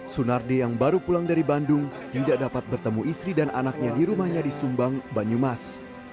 sunardi yang baru pulang dari bandung tidak dapat bertemu istri dan anaknya di rumahnya di sumbang banyumas